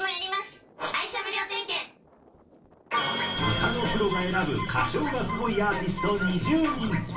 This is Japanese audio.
歌のプロが選ぶ歌唱がスゴいアーティスト２０人。